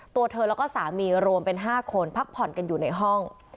ตัวเธอแล้วก็สามีรวมเป็น๕คนพักผ่อนกันอยู่ในห้อง